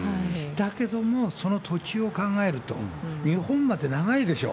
だけども、その途中を考えると、日本まで長いでしょ。